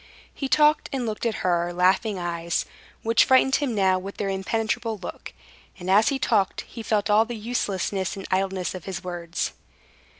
He talked and looked at her laughing eyes, which frightened him now with their impenetrable look, and, as he talked, he felt all the uselessness and idleness of his words.